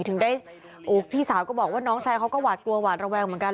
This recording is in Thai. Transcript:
ถึงได้พี่สาวก็บอกว่าน้องชายเขาก็หวาดกลัวหวาดระแวงเหมือนกัน